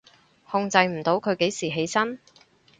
控制唔到佢幾時起身？